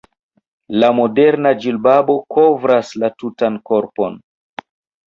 La moderna ĝilbabo kovras la tutan korpon.